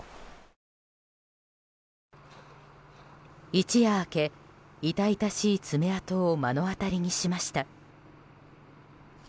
一夜明け、痛々しい爪痕を目の当たりにしました。